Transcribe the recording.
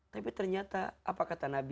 tapi ternyata apa kata nabi